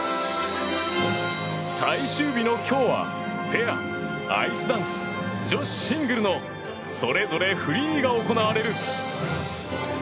最終日の今日はペア、アイスダンス女子シングルのそれぞれフリーが行われる。